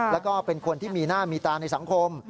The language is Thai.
แล้วก็เป็นคนที่มีหน้ามีตาในสังคม